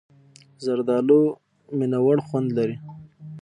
زردالو مینهوړ خوند لري.